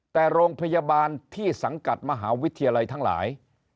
แต่โรงพยาบาลที่สังกัดมหาวิทยาลัยทั้งหลาย